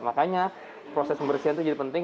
makanya proses pembersihan itu jadi penting